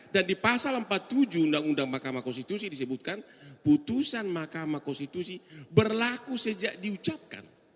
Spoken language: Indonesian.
dan di pasal empat puluh tujuh undang undang makam konstitusi disebutkan putusan makam konstitusi berlaku sejak diucapkan